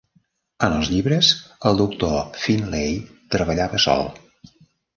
En els llibres, el Doctor Finlay treballava sol.